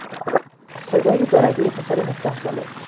صدای دو رگهی پسر هفده ساله